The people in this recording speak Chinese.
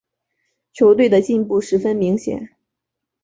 球队的进步十分明显。